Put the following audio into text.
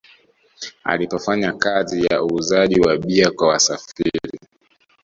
Alipofanya kazi ya uuzaji wa bia kwa wasafiri